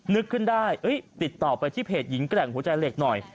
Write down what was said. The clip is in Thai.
นึกขึ้นได้ติดต่อไปที่เพจหญิงแกร่งหัวใจเหล็กหน่อย